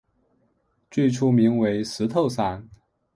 最初名为石头山。